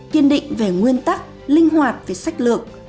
kiên định về nguyên tắc linh hoạt về sách lượng